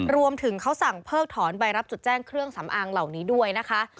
รวมถึงเขาสั่งเพิกถอนใบรับจุดแจ้งเครื่องสำอางเหล่านี้ด้วยนะคะ